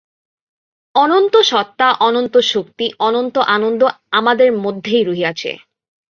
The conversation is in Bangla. অনন্ত সত্তা, অনন্ত শক্তি, অনন্ত আনন্দ আমাদের মধ্যেই রহিয়াছে।